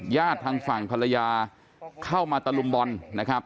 ทางฝั่งภรรยาเข้ามาตะลุมบอลนะครับ